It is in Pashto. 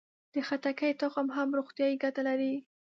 د خټکي تخم هم روغتیایي ګټه لري.